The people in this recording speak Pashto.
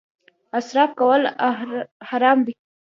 اسراف کول حرام دي